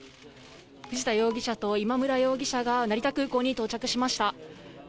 藤田容疑者と今村容疑者が、成田空港に到着しました。